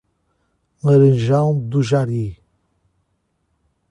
Laranjal do Jari